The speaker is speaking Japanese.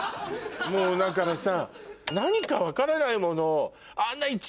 もうだからさ。